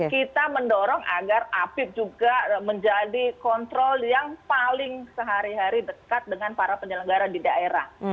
kita mendorong agar apip juga menjadi kontrol yang paling sehari hari dekat dengan para penyelenggara di daerah